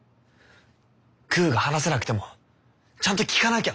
グーが話せなくてもちゃんと聞かなきゃ。